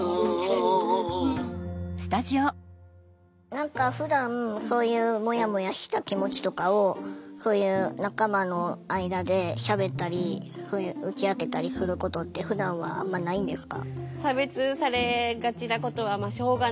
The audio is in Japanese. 何かふだんそういうもやもやした気持ちとかをそういう仲間の間でしゃべったり打ち明けたりすることってふだんはあんまないんですか？